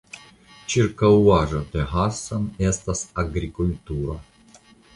Ĉirkaŭaĵo de Hassan estas agrikultura.